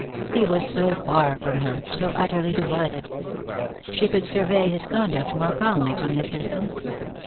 He was so far from her, so utterly divided! She could survey his conduct more calmly from this distance.